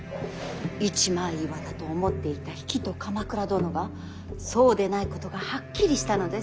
一枚岩だと思っていた比企と鎌倉殿がそうでないことがはっきりしたのです。